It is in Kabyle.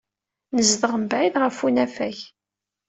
Nezdeɣ mebɛid ɣef unafag.